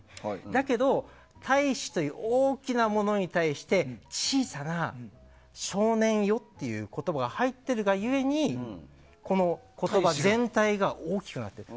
だけど大志という大きなものに対して小さな少年よという言葉が入ってるが故にこの言葉全体が大きくなる。